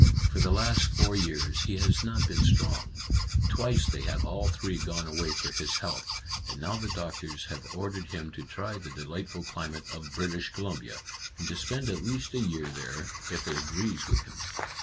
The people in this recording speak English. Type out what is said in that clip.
For the last four years he has not been strong. Twice they have all three gone away for his health, and now the doctors have ordered him to try the delightful climate of British Columbia, and to spend at least a year there if it agrees with him.